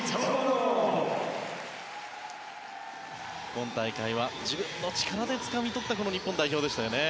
今大会は自分の力でつかみ取ったこの日本代表でしたよね。